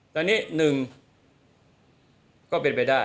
ตอนนี้๑ก็เป็นไปได้